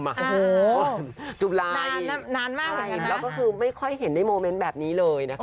โอ้โหจุฬานานมากเหมือนกันนะแล้วก็คือไม่ค่อยเห็นได้โมเมนต์แบบนี้เลยนะคะ